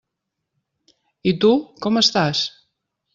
I tu, com estàs?